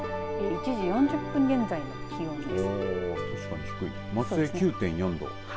１時４０分現在の気温です。